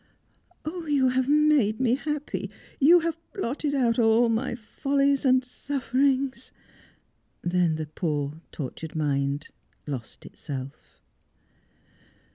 "Oh, you have made me happy! You have blotted out all my follies and sufferings!" Then the poor tortured mind lost itself.